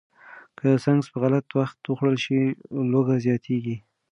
که سنکس په غلط وخت وخوړل شي، لوږه زیاته کېږي.